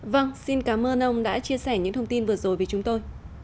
vâng xin cảm ơn ông đã chia sẻ những thông tin vừa rồi với chúng tôi